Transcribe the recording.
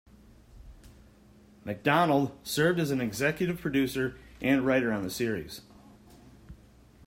MacDonald served as an executive producer and writer on the series.